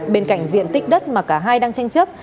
bên cạnh diện tích đất mà cả hai đang tranh chấp